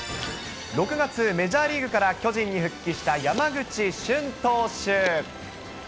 ６月、メジャーリーグから巨人に復帰した山口俊投手。